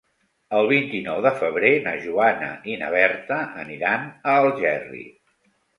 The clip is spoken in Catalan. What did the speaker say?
El vint-i-nou de febrer na Joana i na Berta aniran a Algerri.